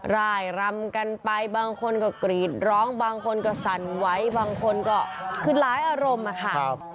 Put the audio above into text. ร่ายรำกันไปบางคนก็กรีดร้องบางคนก็สั่นไว้บางคนก็คือหลายอารมณ์อะค่ะ